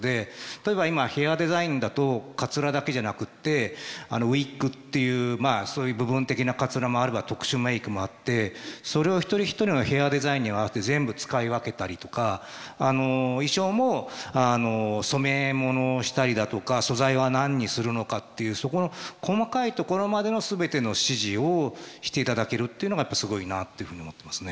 例えば今ヘアデザインだとかつらだけじゃなくってウイッグっていうそういう部分的なかつらもあるわ特殊メークもあってそれを一人一人のヘアデザインに合わせて全部使い分けたりとか衣装も染め物をしたりだとか素材は何にするのかっていうそこの細かいところまでの全ての指示をしていただけるっていうのがすごいなっていうふうに思ってますね。